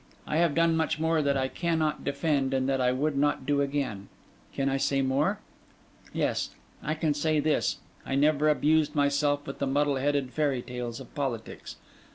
I have done much that I cannot defend and that I would not do again. Can I say more? Yes: I can say this: I never abused myself with the muddle headed fairy tales of politics.